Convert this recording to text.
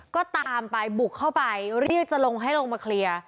ก็ตามไปบุกเข้าไปเรียกจะลงให้ลงมาเคลียร์